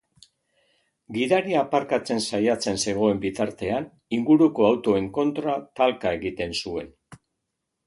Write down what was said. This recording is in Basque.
Gidaria aparkatzen saiatzen zegoen bitartean inguruko autoen kontra talka egiten zuen.